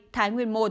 thái nguyên một